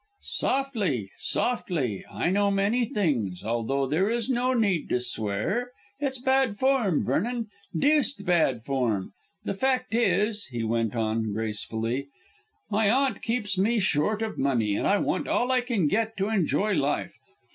"Softly! softly! I know many things, although there is no need to swear. It's bad form, Vernon, deuced bad form. The fact is," he went on gracefully, "my aunt keeps me short of money, and I want all I can get to enjoy life.